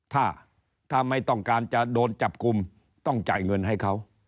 ถ้าไม่ต้องการจะโดนจับกลุ่มต้องจ่ายเงินให้เขา